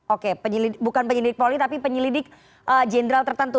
oke bukan penyidik polri tapi penyelidik jenderal tertentu